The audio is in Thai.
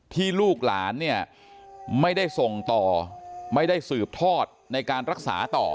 ลูกหลานเนี่ยไม่ได้ส่งต่อไม่ได้สืบทอดในการรักษาต่อ